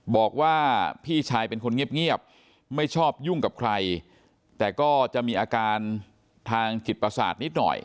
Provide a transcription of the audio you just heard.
บอกว่าพี่ชายเป็นคนเงียบไม่ชอบยุ่งกับใครแต่ก็จะมีอาการทางจิตประสาทนิดหน่อย